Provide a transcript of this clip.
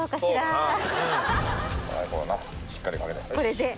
しっかりかけて。